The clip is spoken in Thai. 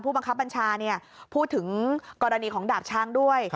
บังคับบัญชาพูดถึงกรณีของดาบช้างด้วย